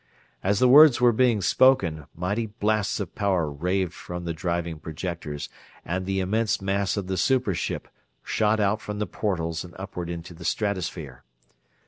As the words were being spoken, mighty blasts of power raved from the driving projectors and the immense mass of the super ship shot out through the portals and upward into the stratosphere.